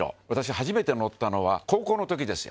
初めて乗ったのは高校の時ですよ。